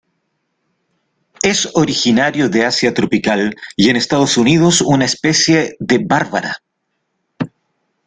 Es originario de Asia tropical y en Estados Unidos una especie "D.barbara".